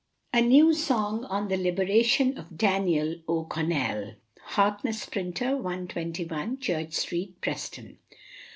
A NEW SONG ON THE LIBERATION OF DANIEL O'CONNELL. Harkness, Printer, 121, Church Street, Preston.